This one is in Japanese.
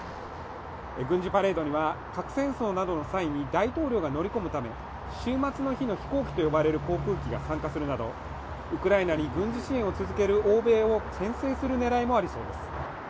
軍事パレードには核戦争などの際に大統領が乗り込むために終末の日の飛行機と呼ばれる航空機が参加するなどウクライナに軍事支援を続ける欧米をけん制する狙いもありそうです